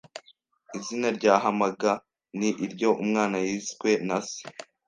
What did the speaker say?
Izina ryahamaga ni iryo umwana yiswe na se